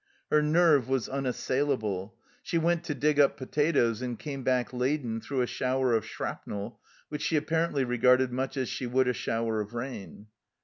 Her nerve was unassailable ; she went to dig up potatoes and came back laden through a shower of shrapnel, which she apparently regarded much as she would a shower of rain.